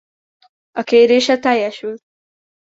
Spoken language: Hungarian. A kérése teljesült.